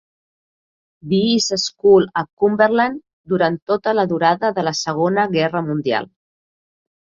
Bees School a Cumberland durant tota la durada de la Segona Guerra Mundial.